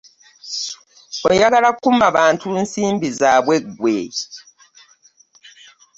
Oyagala kumma bantu nsimbi zaabwe ggwe.